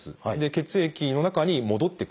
血液の中に戻ってくる。